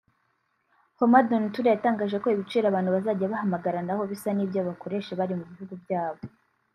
Hamadoun Touré yatangaje ko ibiciro abantu bazajya bahamagaranaho bisa n’ibyo bakoresha bari mu bihugu byabo